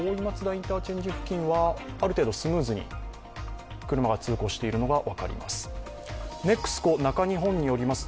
インターチェンジ付近はある程度、スムーズに車が通行しているのが分かります。